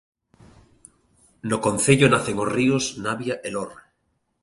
No concello nacen os ríos Navia e Lor.